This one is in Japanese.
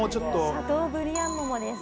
シャトーブリアン桃です